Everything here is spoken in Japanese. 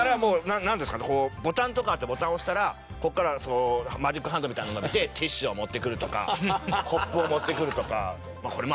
ボタンとかあってボタン押したらここからマジックハンドみたいのが出てティッシュを持ってくるとかコップを持ってくるとか。